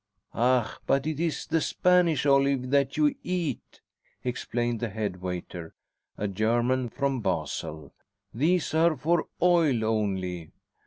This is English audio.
"Ach! But it is the Spanish olive that you eat," explained the head waiter, a German "from Basel." "These are for oil only."